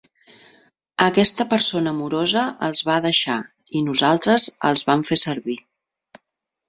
Aquesta persona morosa els va deixar, i nosaltres els vam fer servir.